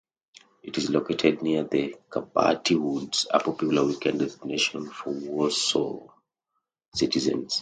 It is located near the Kabaty Woods, a popular weekend destination for Warsaw citizens.